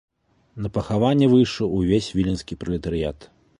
На пахаванне выйшаў увесь віленскі пралетарыят.